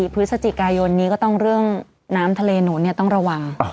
พฤศจิกายนนี้ก็ต้องเรื่องน้ำทะเลหนุนต้องระวัง